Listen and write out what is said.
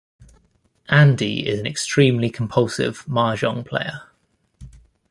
Andy is an extremely compulsive Mahjong player.